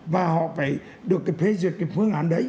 và họ phải được phê duyệt cái phương án